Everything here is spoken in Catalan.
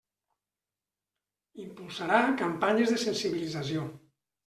Impulsarà campanyes de sensibilització.